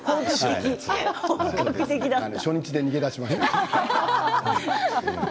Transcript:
初日で逃げ出しましたけどね。